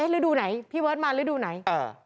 ฤดูไหนพี่เบิร์ตมาฤดูไหน